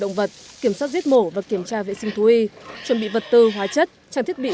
động vật kiểm soát giết mổ và kiểm tra vệ sinh thú y chuẩn bị vật tư hóa chất trang thiết bị